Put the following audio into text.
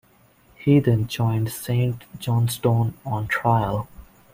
He then joined Saint Johnstone on trial.